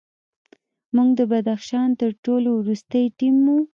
موږ د بدخشان تر ټولو وروستی ټیم وو.